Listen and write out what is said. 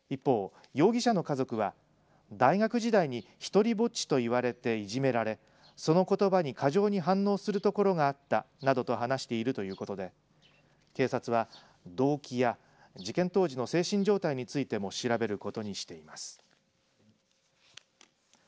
一方、容疑者の家族は大学時代にひとりぼっちと言われていじめられそのことばに過剰に反応するところがあったなどと話しているということで警察は動機や事件当時の精神状態についても調べることにしています。